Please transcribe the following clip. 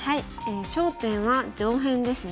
焦点は上辺ですね。